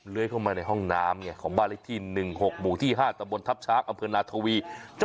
เข้ามาในห้องน้ำไงของบ้านเลขที่๑๖หมู่ที่๕ตะบนทัพช้างอำเภอนาทวี